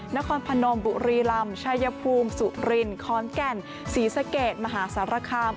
นครพนมบุรีลำชายภูมิสุรินขอนแก่นศรีสะเกดมหาสารคาม